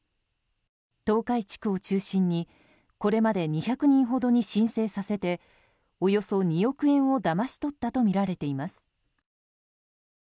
東海地区を中心にこれまで２００人ほどに申請させておよそ２億円をだまし取ったとみられています。